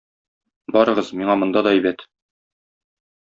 Барыгыз, миңа монда да әйбәт.